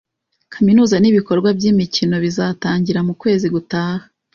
kaminuza n’ibikorwa by’imikino bizatangira mu kwezi gutaha.